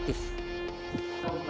itu benar benar kekecewaan